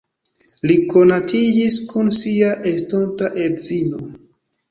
Li konatiĝis kun sia estonta edzino.